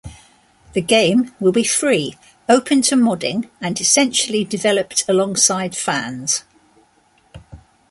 The game will be free, open to modding, and essentially developed alongside fans.